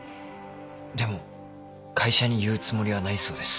でも会社に言うつもりはないそうです。